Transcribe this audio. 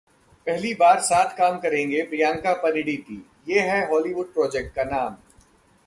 पहली बार साथ काम करेंगी प्रियंका-परिणीति, ये है हॉलीवुड प्रोजेक्ट का नाम